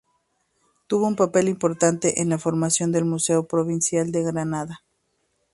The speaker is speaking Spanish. Tuvo un papel importante en la formación del Museo Provincial de Granada.